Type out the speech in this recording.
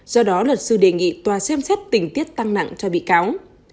do đó luật sư đề nghị tòa xem xét tình tiết tăng nặng cho bị cáo